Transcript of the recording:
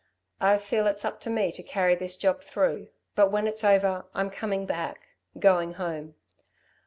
"I feel it's up to me to carry this job through, but when it's over I'm coming back going home.